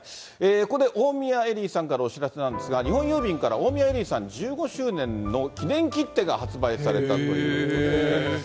ここで大宮エリーさんからお知らせなんですが、日本郵便から大宮エリーさんの１５周年の記念切手が発売されたということです。